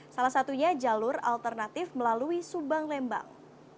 salah satunya jalur alternatif melalui subang lembang